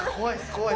怖い。